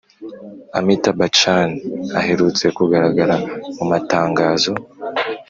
amitabh bachchan aherutse kugaragara mu matangazo